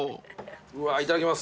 うわいただきます。